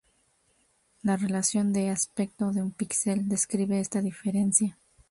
La relación de aspecto de un pixel describe esta diferencia.